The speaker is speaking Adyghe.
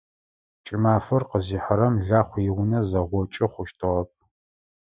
КӀымафэр къызихьэрэм Лахъу иунэ зэгъокӀы хъущтыгъэп.